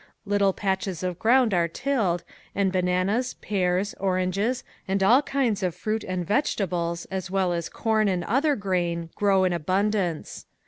Little patches of ground are tilled and bananas, pears, oranges, and all kinds of fruit and vegetables as well as corn and other grain grow in abundance.